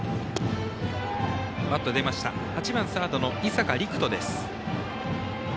８番サードの井坂陸翔です。